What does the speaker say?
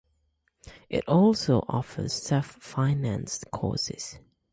It also offers self-financed courses.